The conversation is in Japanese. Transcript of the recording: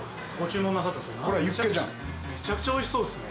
めちゃくちゃおいしそうですね。